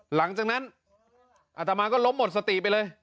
หลังจากนั้นอาตมาก็ล้มหมดสติไปเลย